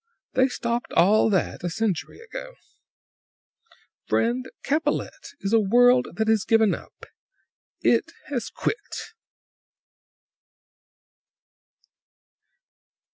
They stopped all that a century ago. "Friend, Capellette is a world that has given up. It has quit!"